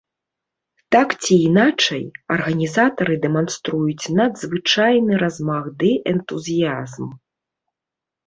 Так ці іначай, арганізатары дэманструюць надзвычайны размах ды энтузіязм.